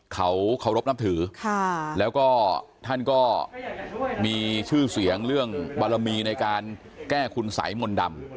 เขาเคารพนับถือแล้วก็ท่านก็มีชื่อเสียงเรื่องบารมีในการแก้คุณสัยมนต์ดำ